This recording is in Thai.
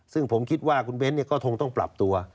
ซึ่งผมคิดว่าคุณเบ้นก็คงต้องปรับตัว